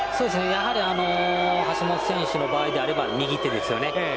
やはり、橋本選手の場合なら右手ですね。